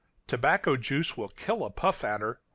Tobacco juice will kill a puff adder.